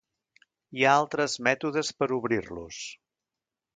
Hi ha altres mètodes per obrir-los.